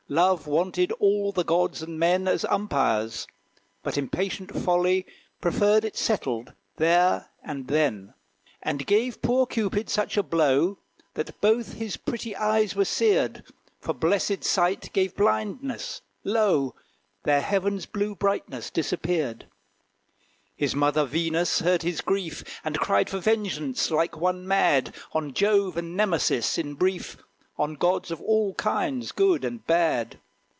Love wanted all the gods and men As umpires; but impatient Folly Preferred it settled there and then; And gave poor Cupid such a blow, That both his pretty eyes were seared. For blessed sight gave blindness lo! Their heaven's blue brightness disappeared. His mother, Venus, heard his grief, And cried for vengeance, like one mad, On Jove and Nemesis, in brief, On gods of all kinds, good and bad.